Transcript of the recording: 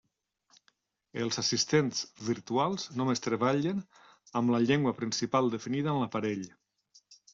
Els assistents virtuals només treballen amb la llengua principal definida en l'aparell.